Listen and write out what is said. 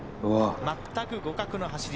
全く互角の走り。